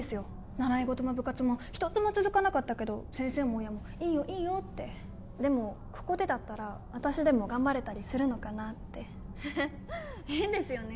習い事も部活も１つも続かなかったけど先生も親もいいよいいよってでもここでだったら私でも頑張れたりするのかなって変ですよね